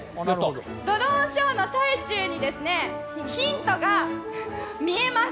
ドローンショーの最中にヒントが見えます。